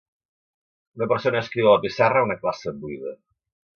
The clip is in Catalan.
Una persona escriu a la pissarra a una classe buida.